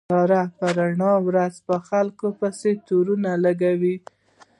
ساره په رڼا ورځ په خلکو پسې تورو نه لګوي.